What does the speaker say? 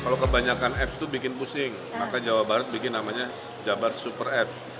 kalau kebanyakan apps itu bikin pusing maka jawa barat bikin namanya jabar super apps